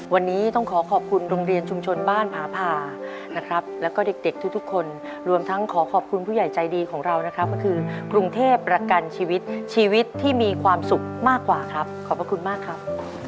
วันนี้ต้องขอขอบคุณโรงเรียนชุมชนบ้านพาพานะครับแล้วก็เด็กทุกคนรวมทั้งขอขอบคุณผู้ใหญ่ใจดีของเรานะครับก็คือกรุงเทพประกันชีวิตชีวิตที่มีความสุขมากกว่าครับขอบพระคุณมากครับ